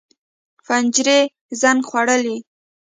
پنجرې زنګ خوړلي